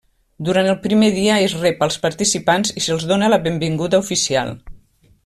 Durant el primer dia es rep als participants i se'ls dóna la benvinguda oficial.